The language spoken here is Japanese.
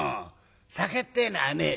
酒ってえのはね